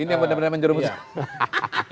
ini yang benar benar menjerumuskan